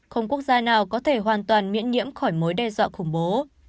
không quốc gia nào có thể hoàn toàn miễn nhiễm khỏi mối đe dọa khủng bố